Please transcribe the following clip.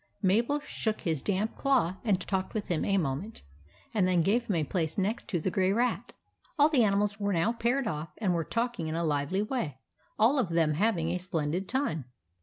Mabel shook his damp claw, and talked with him a moment, and then gave him a place next to the Grey Rat. All the animals were now paired off, and were talking in a lively way, all of them having a splendid time.